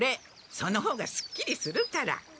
その方がすっきりするから。